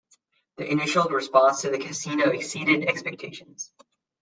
The initial response to the casino exceeded expectations.